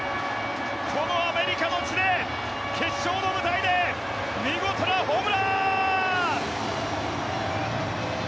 このアメリカの地で決勝の舞台で見事なホームラン！